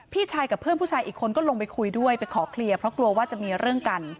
พี่ชายกับเพื่อนผู้ชายอีกคนก็ลงไปคุยด้วยไปขอเคลียร์เพราะกลัวว่าจะมีเรื่องกัน